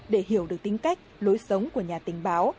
để hiểu được tính cách lối sống của nhà tình báo